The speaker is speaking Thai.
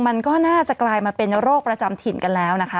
มันก็น่าจะกลายมาเป็นโรคประจำถิ่นกันแล้วนะคะ